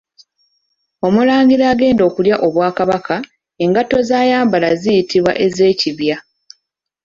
Omulangira agenda okulya obwakabaka, engatto zaayambala ziyitibwa ez’ekibya.